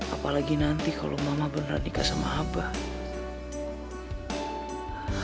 apalagi nanti kalau mama benar nikah sama abah